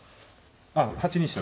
あっ８二飛車